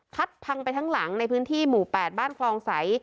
พังไปทั้งหลังในพื้นที่หมู่๘บ้านคลองใส